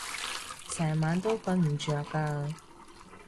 成晚都瞓唔著啊